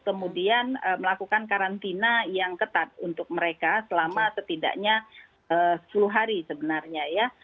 kemudian melakukan karantina yang ketat untuk mereka selama setidaknya sepuluh hari sebenarnya ya